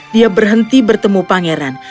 dia berhenti bertemu pangeran